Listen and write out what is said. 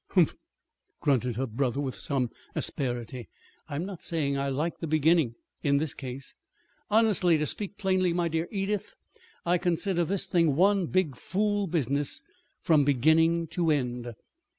"Humph!" grunted her brother, with some asperity. "I'm not saying I like the beginning, in this case. Honestly, to speak plainly, my dear Edith, I consider this thing one big fool business, from beginning to end."